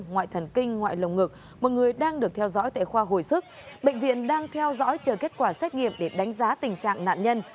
ngoại thần kinh ngoại lồng ngực một người đang được theo dõi tại khoa hồi sức bệnh viện đang theo dõi chờ kết quả xét nghiệm để đánh giá tình trạng nạn nhân